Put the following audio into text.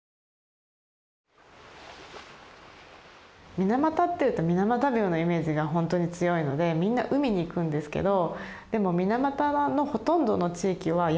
水俣っていうと水俣病のイメージがほんとに強いのでみんな海に行くんですけどでも水俣のほとんどの地域は山なんですね。